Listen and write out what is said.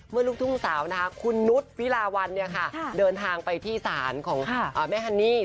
เมื่อลูกทุกขุมสาวคุณนุฏรฟีราวันเดินทางไปที่ศาลของแม่ฮันนี่